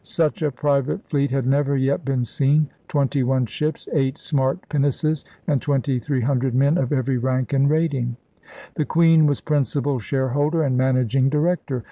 Such a private fleet had never yet been seen: twenty one ships, eight smart pinnaces, and twenty three hundred men of every rank and rating. The Queen was principal shareholder and managing director.